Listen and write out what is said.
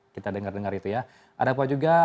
kita dengar dengar itu ya